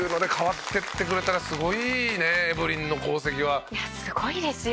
確かにいやすごいですよ。